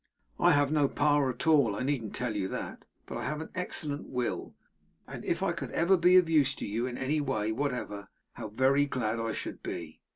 I have no power at all; I needn't tell you that; but I have an excellent will; and if I could ever be of use to you, in any way whatever, how very glad I should be!